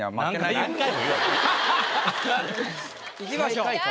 いきましょう。